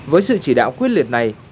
với sự chỉ đạo quyết liệt này